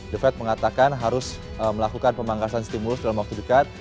the fed mengatakan harus melakukan pemangkasan stimulus dalam waktu dekat